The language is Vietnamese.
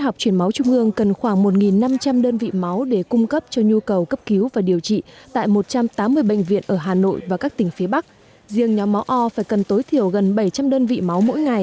học truyền máu trung ương cần khoảng một năm trăm linh đơn vị máu để cung cấp cho những bệnh nhân bị thiếu máu